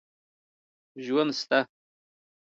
ژوند سته.